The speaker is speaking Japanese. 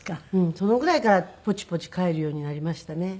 そのぐらいからぽちぽち帰るようになりましたね。